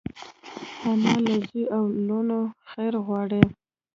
انا له زوی او لوڼو خیر غواړي